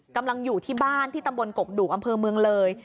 กำลังอยู่ที่บ้านที่ตำบลกกดุกอำเภอเมืองเลย